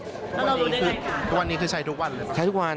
คืออันนี้คือใช้ทุกวันเลยครับ